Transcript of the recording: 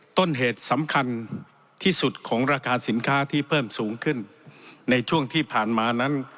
ต้นเหตุสำคัญที่สุดของราคาสินค้าที่เพิ่มสูงขึ้นในช่วงที่ผ่านมานั้น